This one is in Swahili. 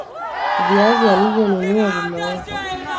Viazi alivyonunua vimeoza